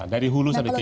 dari hulu sampai kehilir